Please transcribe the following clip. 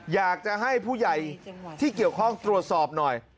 อยากจะให้ผู้ใหญ่ที่เกี่ยวข้องตรวจสอบหน่อย